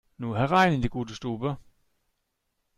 Nur herein in die gute Stube!